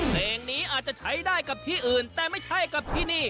เพลงนี้อาจจะใช้ได้กับที่อื่นแต่ไม่ใช่กับที่นี่